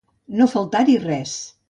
No faltar-hi res.